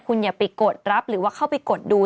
คุณอย่าไปกดรับหรือว่าเข้าไปกดดู